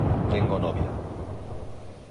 Tengo novia.